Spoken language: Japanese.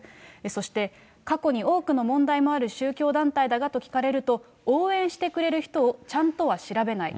そして過去に多くの問題もある宗教団体だがと聞かれると、応援してくれる人をちゃんとは調べない。